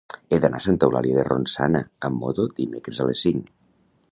He d'anar a Santa Eulàlia de Ronçana amb moto dimecres a les cinc.